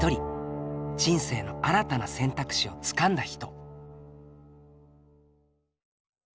人生の新たな選択肢をつかんだ人。